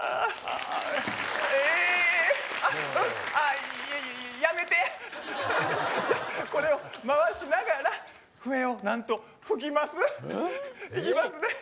えーっあっうんあやめてじゃこれを回しながら笛を何と吹きますいきますね